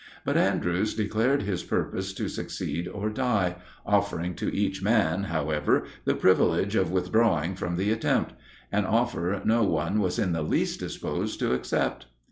But Andrews declared his purpose to succeed or die, offering to each man, however, the privilege of withdrawing from the attempt an offer no one was in the least disposed to accept.